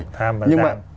tham và gian